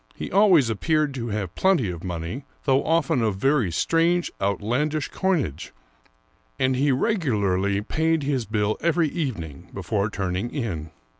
He always appeared to have plenty of money, though often of very strange, outlandish coinage, and he regularly paid his bill every evening before turning in.